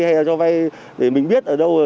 hay là cho vay để mình biết ở đâu